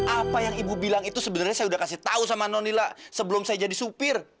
apa yang ibu bilang itu sebenarnya saya udah kasih tau sama nonila sebelum saya jadi supir